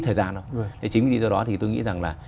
thời gian đâu thế chính vì lý do đó thì tôi nghĩ rằng là